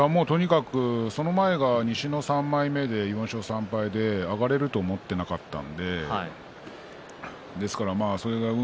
その前が西の３枚目で４勝３敗で上がれると思っていなかったのでそれが運